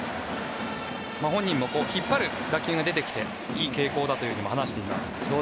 本人も引っ張る打球が出てきていい傾向だというふうにも話しています。